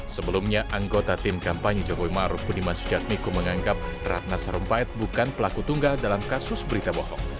sebelumnya anggota tim kampanye jokowi maruf budiman sujatmiko menganggap ratna sarumpait bukan pelaku tunggal dalam kasus berita bohong